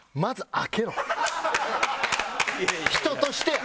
人としてや。